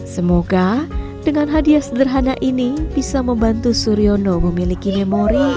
semoga dengan hadiah sederhana ini bisa membantu suryono memiliki memori